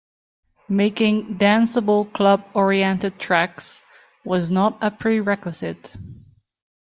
Making "danceable" club oriented tracks was not a prerequisite.